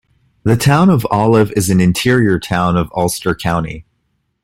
The Town of Olive is an interior town of Ulster County.